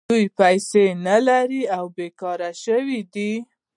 دوی پیسې نلري او بېکاره شوي دي